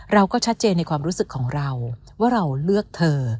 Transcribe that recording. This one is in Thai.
เราก็ชัดเจนในความรู้สึกของเราว่าเราเลือกเธอ